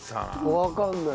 わかんない。